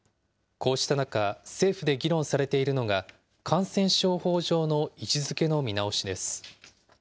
こうした中、政府で議論されているのが、感染症法上の位置づけの見直しです。